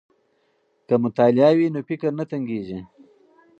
که مطالعه وي نو فکر نه تنګیږي.